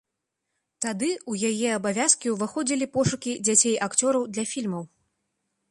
Тады ў яе абавязкі ўваходзілі пошукі дзяцей-акцёраў для фільмаў.